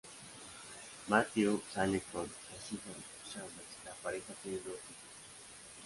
Matthew sale con Aisha Chambers, la pareja tiene dos hijos.